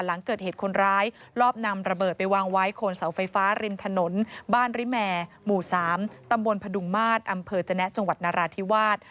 หลังเกิดเหตุคนร้ายรอบนำระเบิดไปวางไว้โคนเสาไฟฟ้าริมถนนบ้านริแมร์หมู่๓ตำบลพดุงมาตรอำเภอจนะจังหวัดนราธิวาส